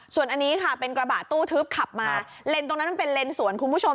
ส่วนอันนี้ค่ะเป็นกระบะตู้ทึบขับมาเลนส์ตรงนั้นมันเป็นเลนสวนคุณผู้ชม